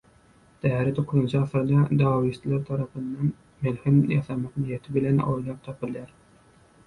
Däri dokuzynjy asyrda Daoistler tarapyndan melhem ýasamak niýeti bilen oýlap tapylýar.